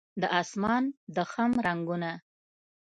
د اسمان د خم رنګونه